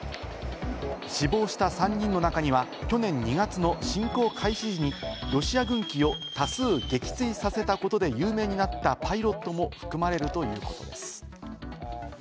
死亡した３人の中には、去年２月の侵攻開始時にロシア軍機を多数撃墜させたことで有名になったパイロットも含まれるということです。